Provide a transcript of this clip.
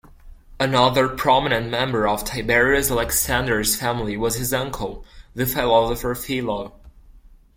Another prominent member of Tiberius Alexander's family was his uncle, the philosopher Philo.